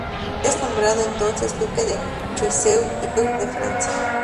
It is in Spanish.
Es nombrado, entonces, duque de Choiseul y par de Francia.